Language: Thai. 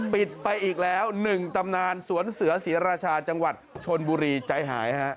ปิดไปอีกแล้ว๑ตำนานสวนเสือศรีราชาจังหวัดชนบุรีใจหายฮะ